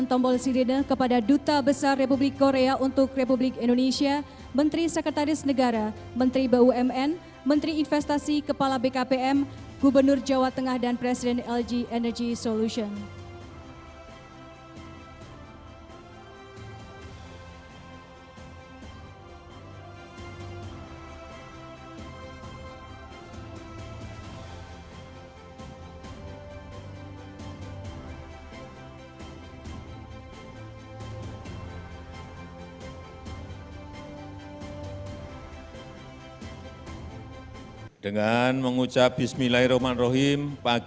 terima kasih pada konsursium